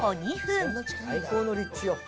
最高の立地よ。